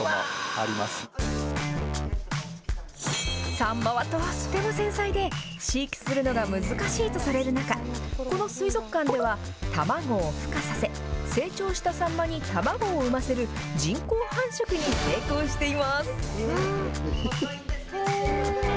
サンマはとっても繊細で、飼育するのが難しいとされる中、この水族館では、卵をふ化させ、成長したサンマに卵を産ませる人工繁殖に成功しています。